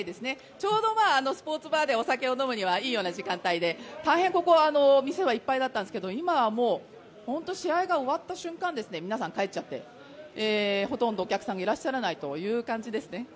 ちょうどスポーツバーでお酒を飲むにはいいような時間帯で大変ここ、お店はいっぱいだったんですけれども今はもう、試合が終わった瞬間、皆さん、帰っちゃってほとんどお客さんがいらっしゃらないという感じですね。